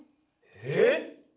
えっ！？